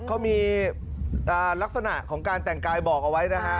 เขามีลักษณะของการแต่งกายบอกเอาไว้นะฮะ